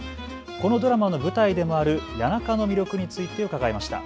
このドラマの舞台でもある谷中の魅力について伺いました。